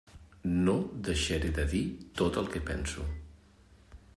No deixaré de dir tot el que penso.